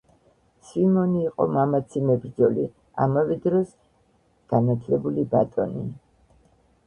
სვიმონი იყო მამაცი მებრᲫოლი, ამავე დროს განაᲗლებული ბატონი.